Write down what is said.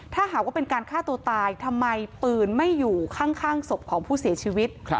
ถ้าหากว่าเป็นการฆ่าตัวตายทำไมปืนไม่อยู่ข้างศพของผู้เสียชีวิต